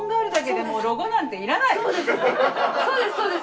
そうです。